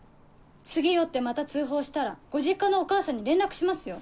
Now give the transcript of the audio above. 次酔ってまた通報したらご実家のお母さんに連絡しますよ。